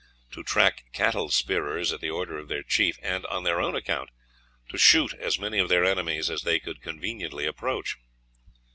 to track cattle spearers at the order of their chief, and on their own account to shoot as many of their enemies as they could conveniently approach.